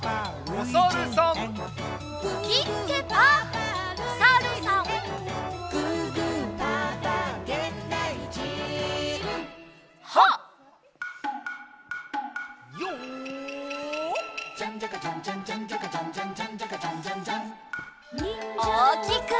おおきく！